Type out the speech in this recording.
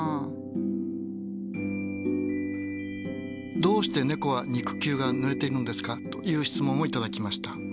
「どうしてねこは肉球がぬれているのですか？」という質問を頂きました。